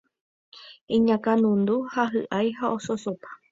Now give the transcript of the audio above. iñakãnundu ha hy'ái ha ososopa